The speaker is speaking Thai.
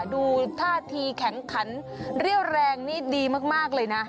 ดูท่าทีแข็งขันเรี่ยวแรงนี่ดีมากเลยนะ